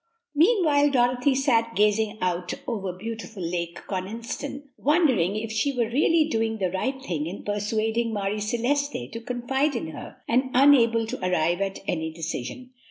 Meanwhile, Dorothy sat gazing out over beautiful Lake Coniston, wondering if she were really doing the right thing in persuading Marie Celeste to confide in her, and unable to arrive at any decision.